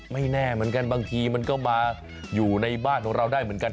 ไม่แน่เหมือนกันบางทีมันก็มาอยู่ในบ้านของเราได้เหมือนกัน